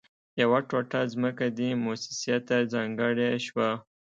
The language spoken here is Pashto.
يوه ټوټه ځمکه دې مؤسسې ته ځانګړې شوه